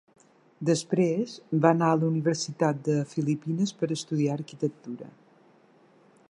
Després, va anar a la universitat de les Filipines per estudiar arquitectura.